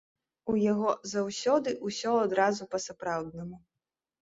У яго заўсёды ўсё адразу па-сапраўднаму.